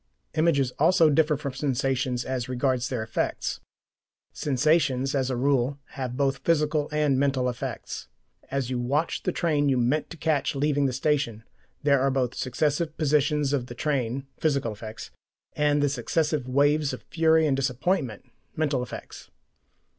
Images also differ from sensations as regards their effects. Sensations, as a rule, have both physical and mental effects. As you watch the train you meant to catch leaving the station, there are both the successive positions of the train (physical effects) and the successive waves of fury and disappointment (mental effects).